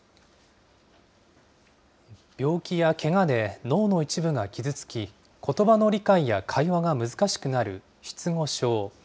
病気やけがで脳の一部が傷つき、ことばの理解や会話が難しくなる失語症。